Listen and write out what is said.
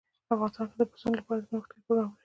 افغانستان کې د پسونو لپاره دپرمختیا پروګرامونه شته.